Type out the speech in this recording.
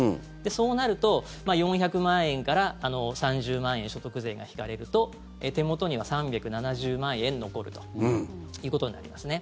そうなると４００万円から３０万円所得税が引かれると手元には３７０万円残るということになりますね。